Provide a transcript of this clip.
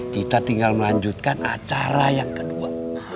kita tinggal melanjutkan acara yang kedua